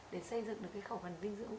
để xây dựng được khẩu phần dinh dưỡng